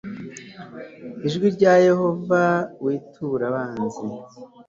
ijwi rya Yehova witura abanzi